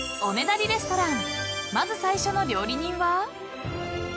［まず最初の料理人は？］